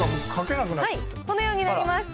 このようになりました。